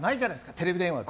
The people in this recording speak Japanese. テレビ電話って。